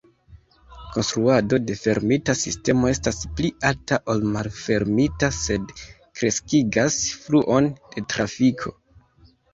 Konstruado de fermita sistemo estas pli alta ol malfermita sed kreskigas fluon de trafiko.